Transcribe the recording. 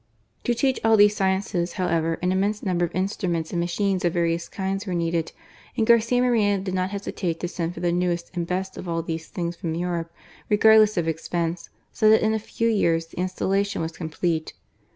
To teach all these sciences, however, an immense number of instru ments and machines of various kinds were needed; and Garcia Moreno did not hesitate to send for the newest and best of all these things from Europe, regardless of expense ; so that in a few years, the installation was complete.